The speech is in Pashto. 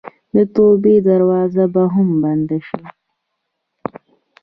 د توبې دروازه به هم بنده شي.